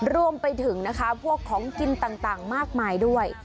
รวมไปถึงนะคะพวกของกินต่างมากมายด้วย